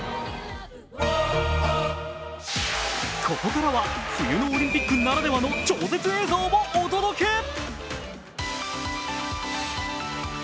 ここからは冬のオリンピックならではの超絶映像をお届け。